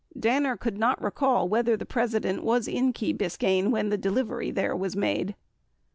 Danner could not recall whether the President was in Key Biscayne when the delivery there was made.